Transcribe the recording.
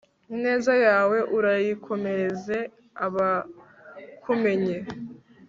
ineza yawe urayikomereze abakumenye